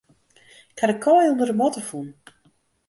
Ik ha de kaai ûnder de matte fûn.